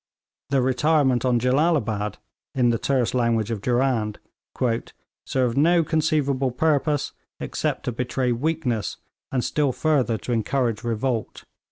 The retirement on Jellalabad, in the terse language of Durand, 'served no conceivable purpose except to betray weakness, and still further to encourage revolt.'